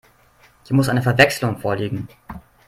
Hier muss eine Verwechslung vorliegen.